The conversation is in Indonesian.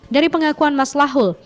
dari pengakuan masyarakat